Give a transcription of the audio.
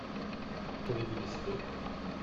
Qu'avez-vous décidé ?